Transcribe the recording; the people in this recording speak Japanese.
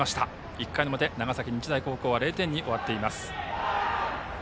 １回の表、長崎日大高校は０点に終わっています。